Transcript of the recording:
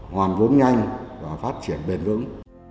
hoàn vốn nhanh và phát triển bền vững